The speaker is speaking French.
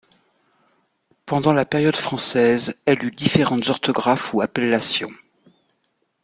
Pendant la période française, elle eut différentes orthographes ou appellations.